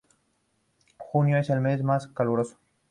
Junio es el mes más caluroso.